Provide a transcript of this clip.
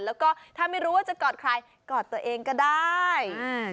แล้วก็ถ้าไม่รู้ว่าจะกอดใครกอดตัวเองก็ได้